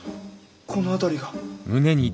この辺りが。